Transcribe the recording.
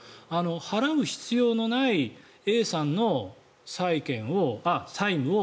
払う必要のないＡさんの債務を